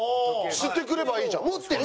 してくればいいじゃん。